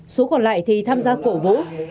số còn lại thì tham gia cổ vũ